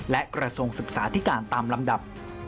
และกระทรวงศึกษาธิการตามลำดับ